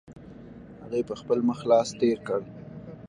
هغې په خپل مخ لاس تېر کړ.